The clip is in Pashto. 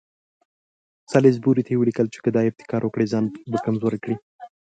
سالیزبوري ته یې ولیکل چې که دا ابتکار وکړي ځان به کمزوری کړي.